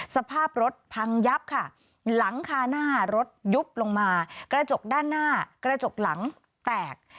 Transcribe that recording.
สภาพรถพังยับค่ะหลังคาหน้ารถยุบลงมากระจกด้านหน้ากระจกหลังแตก